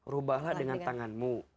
rubahlah dengan tanganmu